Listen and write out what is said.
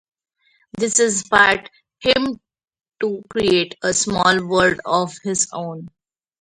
This inspired him to create a small world of his own.